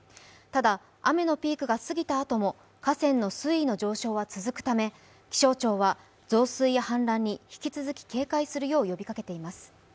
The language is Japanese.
ただ、雨のピークが過ぎたあとも河川の水位の上昇は続くため、気象庁は増水や氾濫に引き続き警戒するよう呼びかけています。